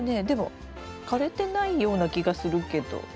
でも枯れてないような気がするけど。